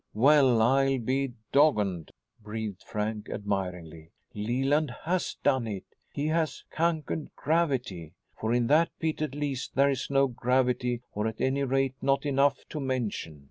"Well, I'll be doggoned," breathed Frank admiringly. "Leland has done it. He has conquered gravity. For, in that pit at least, there is no gravity, or at any rate not enough to mention.